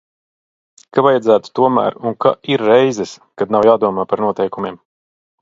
Ka vajadzētu tomēr un ka ir reizes, kad nav jādomā par noteikumiem.